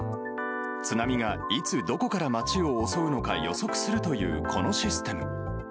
津波がいつ、どこから街を襲うのか予測するというこのシステム。